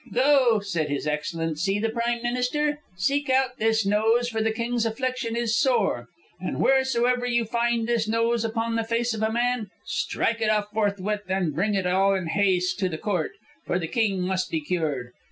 "'Go,' said His Excellency the Prime Minister. 'Seek out this nose, for the King's affliction is sore. And wheresoever you find this nose upon the face of a man, strike it off forthright and bring it in all haste to the Court, for the King must be cured.